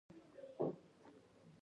د شتمن کېدو په لور یې مزل پیل کړ.